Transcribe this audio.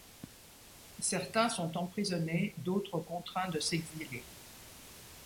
Certains sont emprisonnés, d'autres contraints de s'exiler.